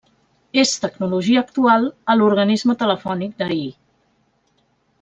És tecnologia actual a l'organisme telefònic d'ahir.